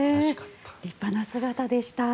立派な姿でした。